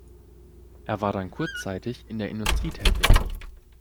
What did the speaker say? Er war dann kurzzeitig in der Industrie tätig.